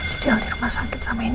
jadi alde rumah sakit sampai ini